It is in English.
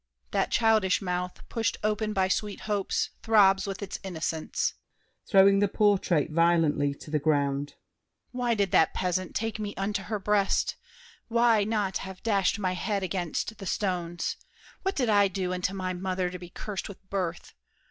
That childish mouth, pushed open by sweet hopes, Throbs with its innocence. [Throwing the portrait violently to the ground. Why did that peasant Take me unto her breast? Why not have dashed My head against the stones? What did I do Unto my mother to be cursed with birth?